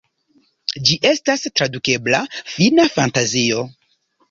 Ĝi estas tradukebla "Fina Fantazio".